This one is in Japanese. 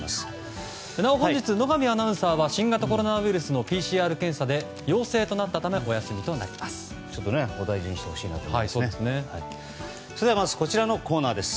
なお、本日野上アナウンサーは新型コロナウイルスのＰＣＲ検査で陽性となったためお休みです。